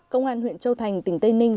công an huyện châu thành tỉnh tây ninh